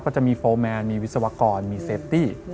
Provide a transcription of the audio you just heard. จะมีโฟร์แมนมีวิศวกรมีเซฟตี้